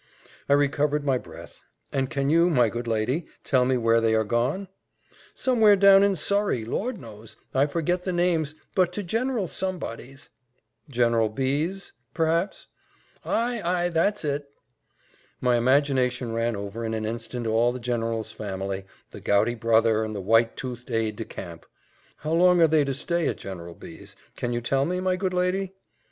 I recovered my breath. "And can you, my good lady, tell me where they are gone?" "Somewhere down in Surrey Lord knows I forget the names but to General somebody's." "General B 's, perhaps." "Ay, ay, that's it." My imagination ran over in an instant all the general's family, the gouty brother, and the white toothed aide de camp. "How long are they to stay at General B 's, can you tell me, my good lady?"